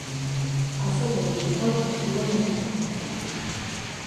ფასადები უხვად ყოფილა მოჩუქურთმებული.